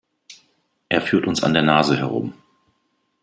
Er führt uns an der Nase herum.